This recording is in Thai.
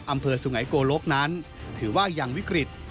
อำเภอสุไงโกลกนั้นถือว่ายังวิกฤต